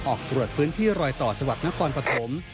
ออกตรวจพื้นที่รอยต่อจังหวัดนครปฐม